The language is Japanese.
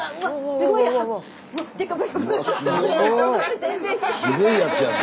すごいやつやな。